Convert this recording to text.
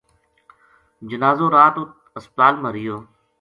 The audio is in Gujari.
جنازو رات ہسپتال ما رہیو